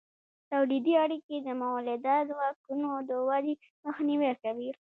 تولیدي اړیکې د مؤلده ځواکونو د ودې مخنیوی کوي.